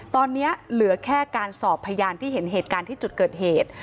ตอนนี้เหลือแค่การสอบพยานที่เห็นเหตุการณ์ที่จุดเกิดเหตุ